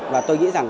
và tôi nghĩ rằng